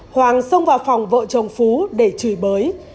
hoàng xông vào phòng vợ chồng phú để chửi bới